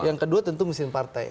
yang kedua tentu mesin partai